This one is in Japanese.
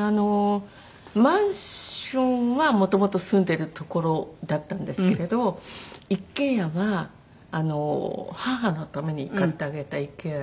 あのマンションはもともと住んでる所だったんですけれど一軒家は母のために買ってあげた一軒家で。